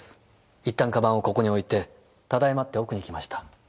一旦鞄をここに置いて「ただいま」って奥に行きました。